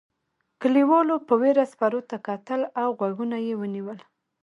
کليوالو په وېره سپرو ته کتل او غوږونه یې ونیول.